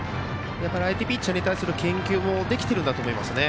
相手ピッチャーに対する研究もできているんですよね。